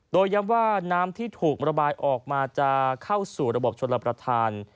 โดยย้ำว่าน้ำที่ถูกระบายออกมาจะเข้าสู่ระบบชนรับประทาน